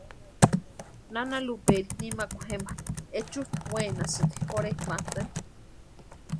Nana Lupaeri nimakwa jempa echutʼa wenasïnti jorhepʼantani.